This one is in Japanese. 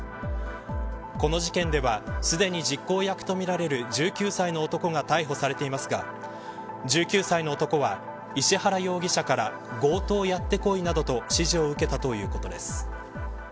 この事件では、すでに実行役とみられる１９歳の男が逮捕されていますが１９歳の男は石原容疑者から強盗やってこいと指示を受けたということです。